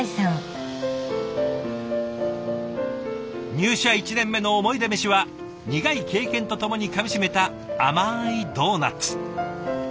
入社１年目のおもいでメシは苦い経験とともにかみしめた甘いドーナツ。